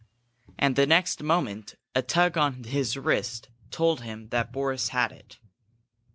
And the next moment a tug on his wrist told him that Boris had it.